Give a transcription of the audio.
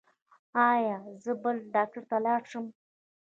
ایا زه بل ډاکټر ته لاړ شم؟